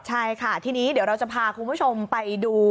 ใช่ค่ะทีนี้เดี๋ยวเราจะพาคุณผู้ชมไปดู